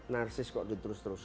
narsis kok diturus turus